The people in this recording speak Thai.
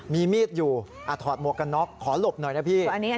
มีมีดอยู่ถอดหมวกกันน็อกขอหลบหน่อยนะพี่